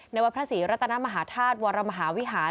วัดพระศรีรัตนมหาธาตุวรมหาวิหาร